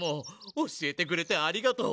おしえてくれてありがとう。